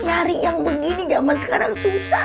nyari yang begini zaman sekarang susah